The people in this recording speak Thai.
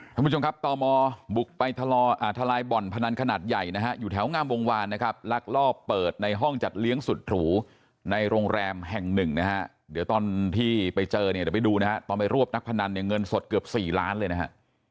ท่านผู้ชมครับตมบุกไปทะลายบ่อนพนันขนาดใหญ่นะฮะอยู่แถวงามวงวานนะครับลักลอบเปิดในห้องจัดเลี้ยงสุดหรูในโรงแรมแห่งหนึ่งนะฮะเดี๋ยวตอนที่ไปเจอเนี่ยเดี๋ยวไปดูนะฮะตอนไปรวบนักพนันเนี่ยเงินสดเกือบ๔ล้านเลยนะฮะ